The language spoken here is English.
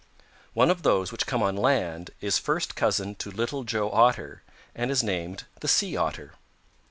"One of those which come on land is first cousin to Little Joe Otter and is named the Sea Otter.